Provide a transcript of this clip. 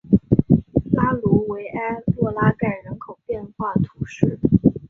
拉卢维埃洛拉盖人口变化图示